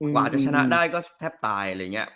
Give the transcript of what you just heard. กว่าจะชนะได้ก็แทบตาย